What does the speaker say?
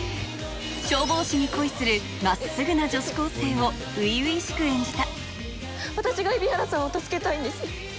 消防士に恋する真っすぐな女子高生を初々しく演じた私が蛯原さんを助けたいんです。